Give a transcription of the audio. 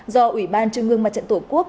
do ủy ban trung ương mặt trận tổ quốc